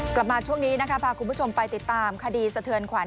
กลับมาช่วงนี้นะคะพาคุณผู้ชมไปติดตามคดีสะเทือนขวัญ